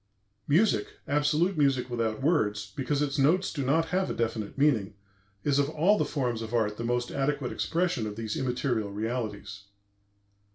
Music, absolute music without words, because its notes do not have a definite meaning, is of all the forms of art the most adequate expression of these immaterial realities.